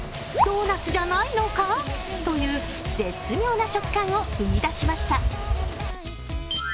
ドーナツじゃないのか？という絶妙な食感を生み出しました。